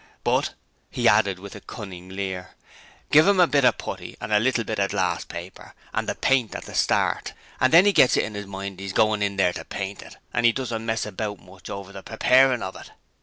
But,' he added, with a cunning leer, 'give 'em a bit of putty and a little bit of glass paper, and the paint at the stand, and then 'e gits it in 'is mind as 'e's going in there to paint it! And 'e doesn't mess about much over the preparing of it'.